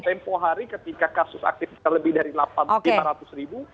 tempoh hari ketika kasus aktif terlebih dari delapan ratus ribu